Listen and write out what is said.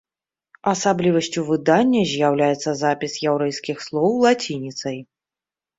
Асаблівасцю выдання з'яўляецца запіс яўрэйскіх слоў лацініцай.